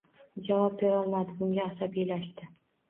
Javob berolmadim, bunga asabiylashdi